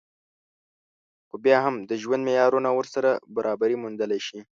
خو بيا هم د ژوند معيارونه ورسره برابري موندلی شي